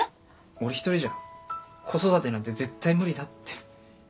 俺１人じゃ子育てなんて絶対無理だって。